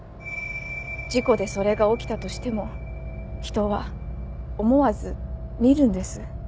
事故でそれが起きたとしても人は思わず見るんです。